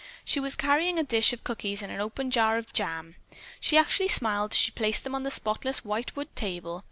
She was carrying a dish of cookies and an open jar of jam. She actually smiled as she placed them on the spotless white wood table.